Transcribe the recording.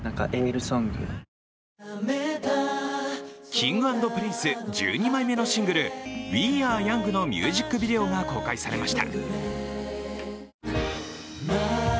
Ｋｉｎｇ＆Ｐｒｉｎｃｅ、１２枚目のシングル「Ｗｅａｒｅｙｏｕｎｇ」のミュージックビデオが公開されました。